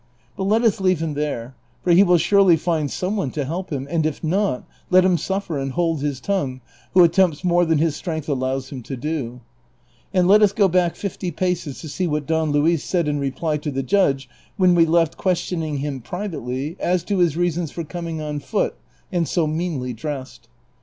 But let us leave him there ; for he will surely find some one to help him, and if not, let him suffer and hold his tongue who attempts more than his strength allows him to do ; and let us go back fi^fty paces to see what Don Luis said in reply to the judge whom we left ques tioning him privately as to his reasons for coming on foot and so meanly dressed.